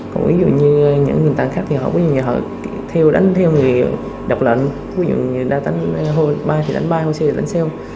còn ví dụ như những người khác thì họ có những người họ đánh theo người độc lệnh có những người đa tánh hôi ba thì đánh ba hôi xe thì đánh xeo